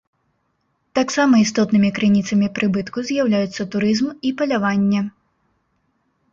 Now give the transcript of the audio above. Таксама істотнымі крыніцамі прыбытку з'яўляюцца турызм і паляванне.